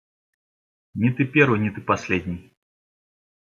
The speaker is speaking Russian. Не ты первый, не ты последний.